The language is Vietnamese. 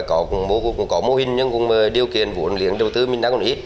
cũng có mô hình nhưng cũng điều kiện vũ luyện đầu tư mình đã còn ít